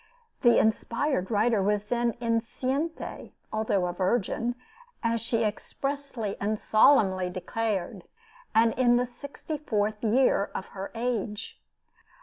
The inspired writer was then enceinte, although a virgin, as she expressly and solemnly declared, and in the sixty fourth year of her age.